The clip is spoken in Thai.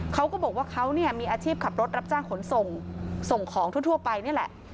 เขาก็บอกว่าเขาเนี่ยมีอาชีพขับรถรับจ้างขนส่งส่งของทั่วไปนี่แหละ